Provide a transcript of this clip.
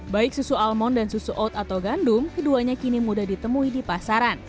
baik susu almond dan susu oat atau gandum keduanya kini mudah ditemui di pasaran